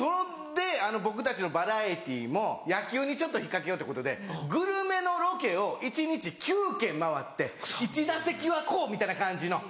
で僕たちのバラエティーも野球にちょっと引っ掛けようってことでグルメのロケを一日９軒回って１打席はこうみたいな感じの。